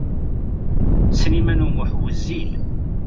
Sliman U Muḥ wezzil.